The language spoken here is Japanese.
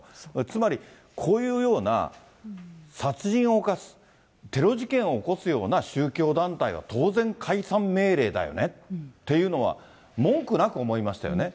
つまり、こういうような殺人を犯す、テロ事件を起こすような宗教団体は当然解散命令だよねっていうのは、文句なく思いましたよね。